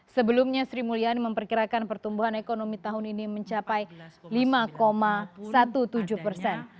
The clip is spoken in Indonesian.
sebelumnya sri mulyani memperkirakan pertumbuhan ekonomi tahun ini mencapai lima tujuh belas persen